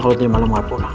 kalo semalam gak pulang